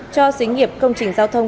cho xí nghiệp công trình giao thông